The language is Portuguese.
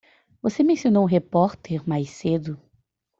Você mencionou um repórter mais cedo?